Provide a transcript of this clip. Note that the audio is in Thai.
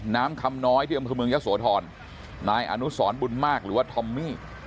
น้ำคำน้อยที่อำเภอเมืองยะโสธรนายอนุสรบุญมากหรือว่าทอมมี่